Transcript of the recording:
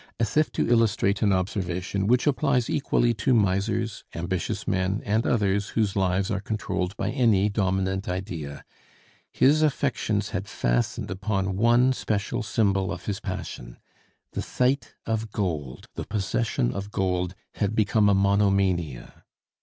As if to illustrate an observation which applies equally to misers, ambitious men, and others whose lives are controlled by any dominant idea, his affections had fastened upon one special symbol of his passion. The sight of gold, the possession of gold, had become a monomania.